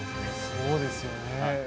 そうですよね。